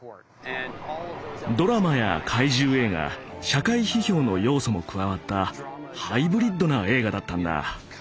ドラマや怪獣映画社会批評の要素も加わったハイブリッドな映画だったんだ。